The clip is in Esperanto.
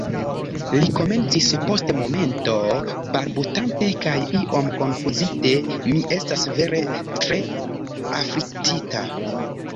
Li komencis post momento, balbutante kaj iom konfuzite, -- mi estas vere tre afliktita.